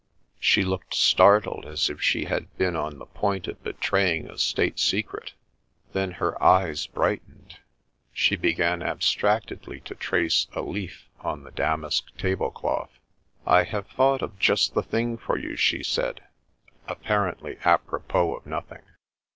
She looked startled, as if she had been on the point of betraying a state secret; then her eyes brightened; she began abstractedly to trace a leaf on the damask tablecloth. " I have thought of just the thing for you," she said, apparently apropos of nothing.